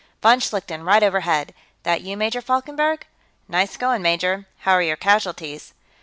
"Von Schlichten, right overhead. That you, Major Falkenberg? Nice going, major, how are your casualties?"